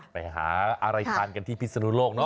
ไปหาอะไรทานกันที่พิศนุโลก